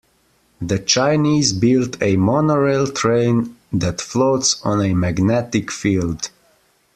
The Chinese built a monorail train that floats on a magnetic field.